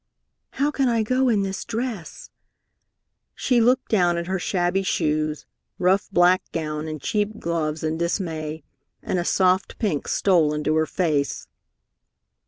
"How can I go in this dress?" She looked down at her shabby shoes, rough black gown, and cheap gloves in dismay, and a soft pink stole into her face.